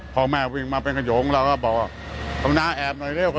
พ่อแม่วิ่งมาเป็นขยงเราก็บอกว่าเอาน้าแอบหน่อยเร็ว